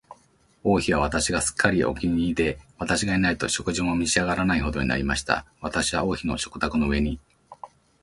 王妃は私がすっかりお気に入りで、私がいないと食事も召し上らないほどになりました。私は王妃の食卓の上に、